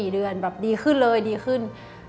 ๔เดือนแบบดีขึ้นเลยดีขึ้น